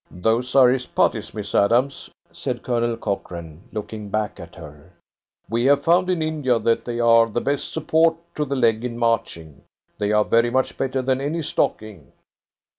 "Those are his putties, Miss Adams," said Colonel Cochrane, looking back at her. "We have found in India that they are the best support to the leg in marching. They are very much better than any stocking."